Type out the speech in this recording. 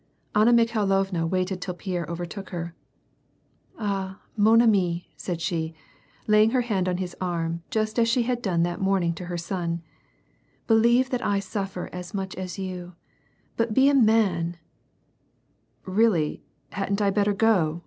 Anna Mikhailovna waited till Pierre overtook her, —*' Ah, i9um aTTti," said she, laying her hand on his arm, just as she had done that morning to her son, " believe that I suffer as much as you, but be a man I "*' Really, hadn't I better go